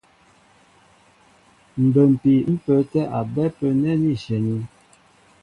Mbə́mpii ḿ pə́ə́tɛ́ a bɛ́ ápə́ nɛ́ ní shyɛní.